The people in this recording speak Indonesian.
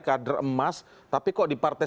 kader emas tapi kok di partai